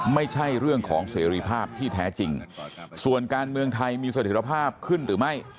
ไม่ใช่เรื่องของเสรีภาพที่แท้จริงส่วนการเมืองไทยมีสถิตภาพขึ้นหรือไม่